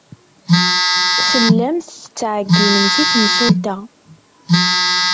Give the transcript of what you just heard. Tellamt tettɛeyyinemt i temsulta.